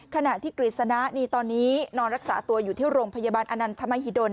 ขณะที่กฤษณะนี่ตอนนี้นอนรักษาตัวอยู่ที่โรงพยาบาลอนันทมหิดล